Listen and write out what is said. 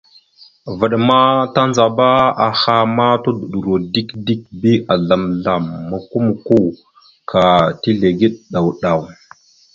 Vvaɗ ma tandzaba aha ma tudoɗoro dik dik bi azzlam azzlam mokko mokko ka tizləge ɗaw ɗaw.